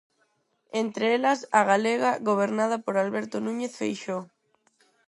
Entre elas, a galega, gobernada por Alberto Núñez Feixóo.